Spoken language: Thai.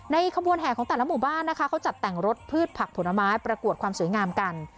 ขบวนแห่ของแต่ละหมู่บ้านนะคะเขาจัดแต่งรถพืชผักผลไม้ประกวดความสวยงามกัน